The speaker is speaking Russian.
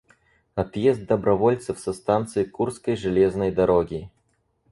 Отъезд добровольцев со станции Курской железной дороги.